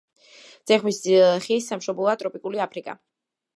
ძეხვის ხის სამშობლოა ტროპიკული აფრიკა.